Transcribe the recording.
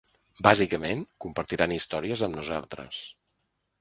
Bàsicament, compartiran històries amb nosaltres.